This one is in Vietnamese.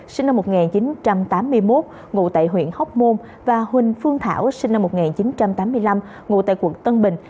sinh năm một nghìn chín trăm tám mươi một ngụ tại huyện hóc môn và huỳnh phương thảo sinh năm một nghìn chín trăm tám mươi năm ngụ tại quận tân bình